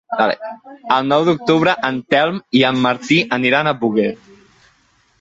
El nou d'octubre en Telm i en Martí aniran a Búger.